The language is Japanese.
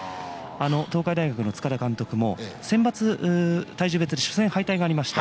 東海大学の監督も選抜体重別で初戦敗退がありました。